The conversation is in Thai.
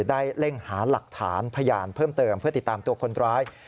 เร่งหาหลักฐานพยานเพิ่มเติมเพื่อติดตามตัวคนร้าย